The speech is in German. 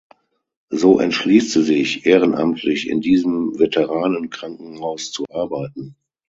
So entschließt sie sich, ehrenamtlich in diesem Veteranen-Krankenhaus zu arbeiten.